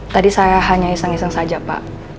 tadi saya hanya iseng iseng saja pak